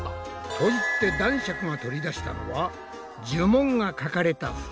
と言って男爵が取り出したのは呪文が書かれた札。